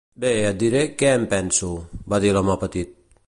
"Bé, et diré què en penso", va dir l'home petit.